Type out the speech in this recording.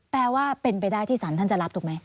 แปลว่าเป็นไปได้ที่สารท่านจะรับถูกไหม